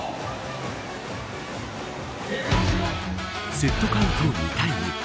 セットカウント２対２。